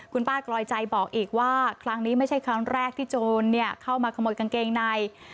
คุณป้ากรอยใจบอกอีกว่าครั้งนี้ไม่ใช่ครั้งแรกที่โจรเข้ามาขโมยกางเกงใน